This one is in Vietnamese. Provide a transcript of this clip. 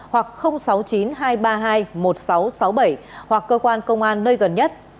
hoặc sáu mươi chín hai trăm ba mươi hai một nghìn sáu trăm sáu mươi bảy hoặc cơ quan công an nơi gần nhất